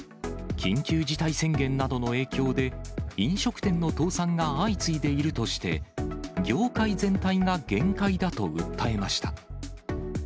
緊急事態宣言などの影響で、飲食店の倒産が相次いでいるとして、業界全体が限界だと訴えました。